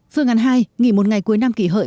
phương án hai nghỉ một ngày cuối năm kỷ hợi